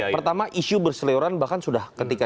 pertama isu berseliuran bahkan sudah ketika